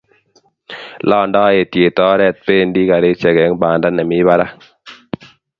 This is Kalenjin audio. Londoi etiet oret bendi garisiek eng banda nemi barak